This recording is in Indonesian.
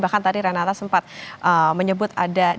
bahkan tadi renata sempat menyebutkan